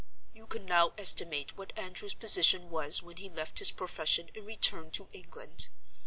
"You can now estimate what Andrew's position was when he left his profession and returned to England.